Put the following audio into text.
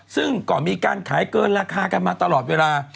ซึ่งก็มีการขายเกินราคากันมาตลอดเวลา